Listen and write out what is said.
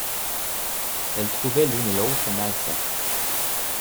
elle trouvait l’une et l’autre malsains.